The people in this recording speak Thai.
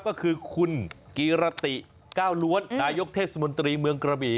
ก็คือคุณกีรติก้าวล้วนนายกเทศมนตรีเมืองกระบี่